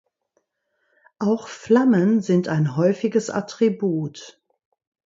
Auch Flammen sind ein häufiges Attribut.